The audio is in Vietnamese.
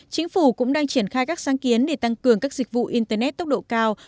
chính phủ cũng đang triển khai các sáng kiến để tăng cường các dịch vụ internet tốc độ cao